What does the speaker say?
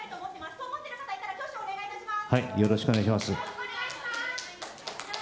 そう思ってる方いたら挙手お願いします。